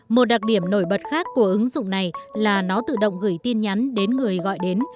một đặc điểm nổi bật khác của ứng dụng này là nó tự động gửi tin nhắn đến người gọi đến